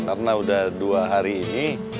karena udah dua hari ini